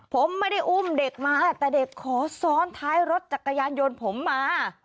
ผมไม่ได้อุ้มเด็กมาแต่เด็กขอซ้อนท้ายรถจักรยานยนต์ผมมา